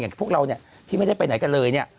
พวกเราเนี่ยที่ไม่ได้ไปไหนกันเลยเนี่ย